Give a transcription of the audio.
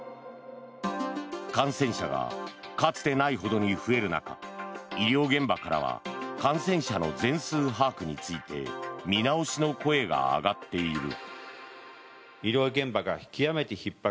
感染者がかつてないほどに増える中医療現場からは感染者の全数把握について見直しの声が上がっている。